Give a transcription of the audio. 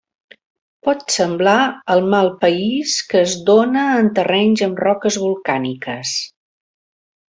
Pot semblar el malpaís que es dóna en terrenys amb roques volcàniques.